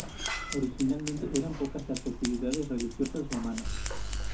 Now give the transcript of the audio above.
Originalmente eran pocas las festividades religiosas romanas.